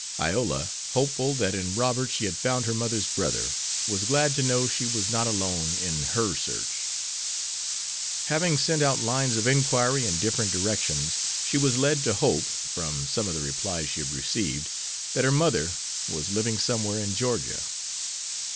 Iola, hopeful that in Robert she had found her mother's brother, was glad to know she was not alone in her search. Having sent out lines of inquiry in different directions, she was led to hope, from some of the replies she had received, that her mother was living somewhere in Georgia.